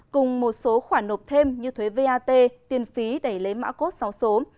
cùng một số khoản nộp thêm như thuế vat tiền phí để lấy mã cốt sáu số